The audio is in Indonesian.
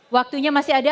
waktunya masih ada